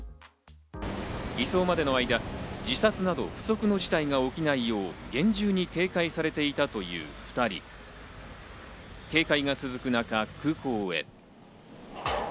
移送までの間、自殺など不測の事態が起きないよう厳重に警戒されていたという２人は空港へ。